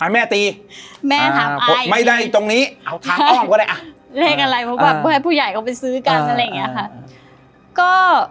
ถามแม่ตีไม่ได้ตรงนี้ถามอ้อมก็ได้อะเลขอะไรเพราะให้ผู้ใหญ่เข้าไปซื้อกันอะไรอย่างนี้ค่ะ